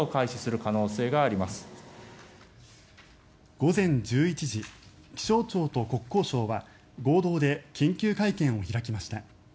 午前１１時気象庁と国交省は合同で緊急会見を開きました。